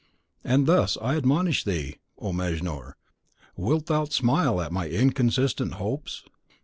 And as I thus admonish thee, O Mejnour, wilt thou smile at my inconsistent hopes?